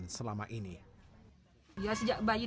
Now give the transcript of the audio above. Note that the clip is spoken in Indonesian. dan tidak terlalu berhubungan dengan kemampuan